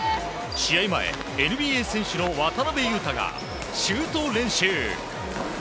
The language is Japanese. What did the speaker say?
前、ＮＢＡ選手の渡邊雄太がシュート練習。